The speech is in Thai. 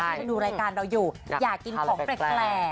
ไปดูรายการเราอยู่อยากกินของแปลก